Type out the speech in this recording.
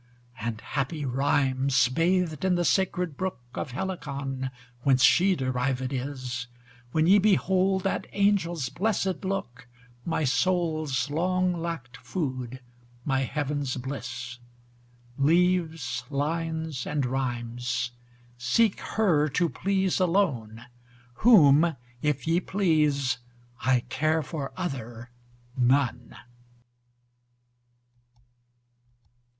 And happy rhymes bath'd in the sacred brook, Of Helicon whence she derived is, When ye behold that Angel's blessed look, My soul's long lacked food, my heaven's bliss. Leaves, lines, and rhymes, seek her to please alone, Whom if ye please, I care for other none.